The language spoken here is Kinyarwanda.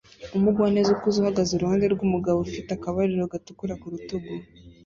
Umugwaneza ukuze ahagaze iruhande rwumugabo ufite akabariro gatukura ku rutugu